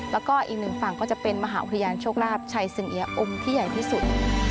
แล้วก็อีกหนึ่งฝั่งก็จะเป็นมหาวิทยาลโชคลาภชัยสิงเอียองค์ที่ใหญ่ที่สุด